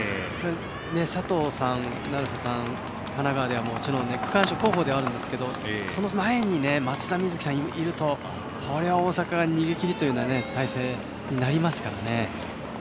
佐藤成葉さん、神奈川では区間賞候補ではあるんですがその前に松田瑞生さんがいるとこれは大阪、逃げ切り態勢になりますからね。